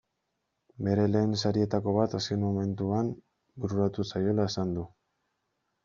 Bere lehen sarietako bat azken mementoan bururatu zaiola esan du.